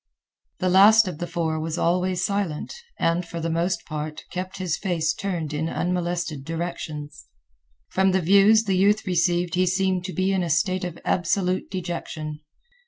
The last of the four was always silent and, for the most part, kept his face turned in unmolested directions. From the views the youth received he seemed to be in a state of absolute dejection.